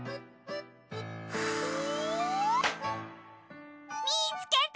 ふ！みつけた！